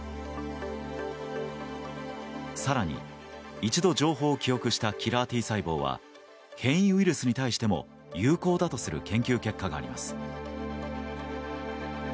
更に、一度情報を記憶したキラーＴ細胞は変異ウイルスに対しても有効だとする研究結果があります。